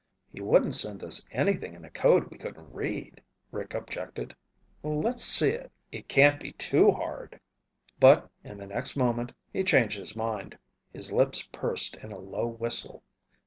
"He wouldn't send us anything in a code we couldn't read," Rick objected. "Let's see it. It can't be too hard." But in the next moment he changed his mind. His lips pursed in a low whistle.